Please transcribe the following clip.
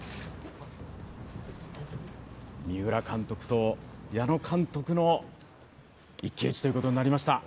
三浦監督と矢野監督の一騎打ちとなりました。